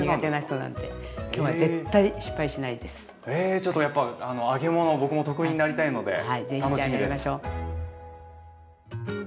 ちょっとやっぱ揚げ物僕も得意になりたいので楽しみです。